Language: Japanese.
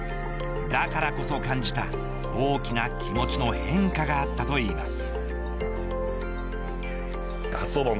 だからこそ感じた大きな気持ちの変化があったといいます。